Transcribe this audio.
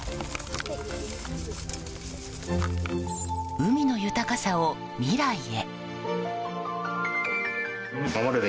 海の豊かさを未来へ。